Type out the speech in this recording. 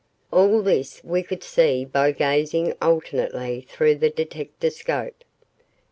All this we could see by gazing alternately through the detectascope.